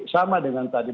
sama dengan tadi